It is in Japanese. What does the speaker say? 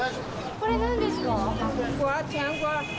これ、何ですか？